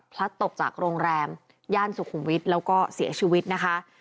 ตกจากโรงแรมย่านสุขุมวิทย์แล้วก็เสียชีวิตนะคะ